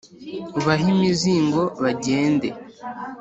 Ubahe imizigo Bagende.